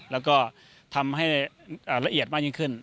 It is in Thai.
แล้วก็ทำให้ละเอียดมากยิ่งขึ้น